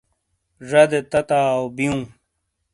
زَدے تتاؤ بیوں۔